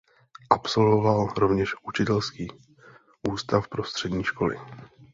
Absolvoval rovněž učitelský ústav pro střední školy.